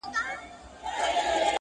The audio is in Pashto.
خیالي ځوانان راباندي مري خونکاره سومه.!